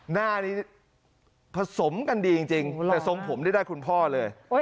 หน้านี้ผสมกันดีจริงแต่ทรงผมนี่ได้คุณพ่อเลย